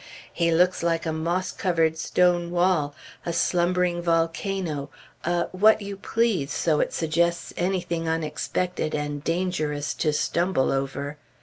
He looks like a moss covered stone wall, a slumbering volcano, a what you please, so it suggests anything unexpected and dangerous to stumble over.